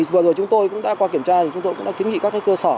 vừa rồi chúng tôi cũng đã qua kiểm tra thì chúng tôi cũng đã kiến nghị các cơ sở